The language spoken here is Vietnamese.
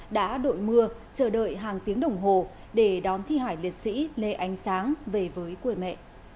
đã đội mưa chờ đợi hàng tiếng đồng hồ để đón thi hải liệt sĩ lê ánh sáng về với quê mẹ